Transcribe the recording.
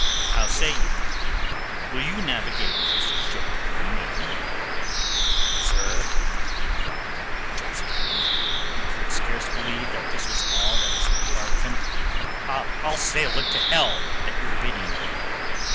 How say you: will you navigate this ship for me?" "Sir," cried Jasper Leigh, who could scarce believe that this was all that was required of him, "I'll sail it to hell at your bidding."